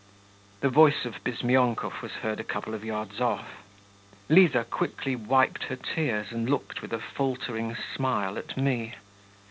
The voice of Bizmyonkov was heard a couple of yards off. Liza quickly wiped her tears and looked with a faltering smile at me.